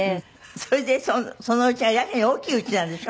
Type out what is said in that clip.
それでその家はやけに大きい家なんでしょ？